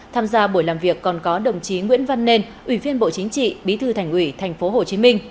tham gia buổi làm việc còn có đồng chí nguyễn văn nên ủy viên bộ chính trị bí thư thành ủy tp hcm